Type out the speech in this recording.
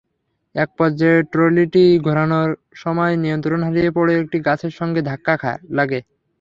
একপর্যায়ে ট্রলিটি ঘোরানোর সময় নিয়ন্ত্রণ হারিয়ে পড়ে একটি গাছের সঙ্গে ধাক্কা লাগে।